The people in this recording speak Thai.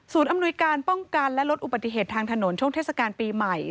อำนวยการป้องกันและลดอุบัติเหตุทางถนนช่วงเทศกาลปีใหม่